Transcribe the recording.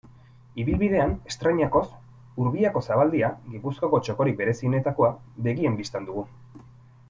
Ibilbidean estreinakoz, Urbiako zabaldia, Gipuzkoako txokorik berezienetakoa, begien bistan dugu.